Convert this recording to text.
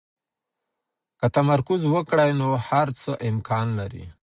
که تمرکز وکړئ، نو هر څه امکان لري.